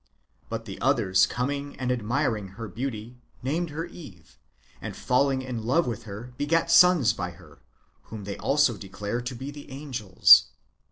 But the others coming and admiring her beauty, named her Eve, and falling in love with her, begat sons by her, whom they also declare to be the angels.